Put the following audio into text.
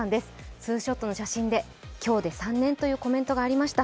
ツーショットの写真で、今日で３年というコメントがありました。